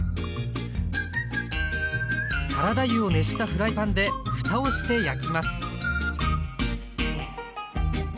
サラダ油を熱したフライパンでふたをして焼きます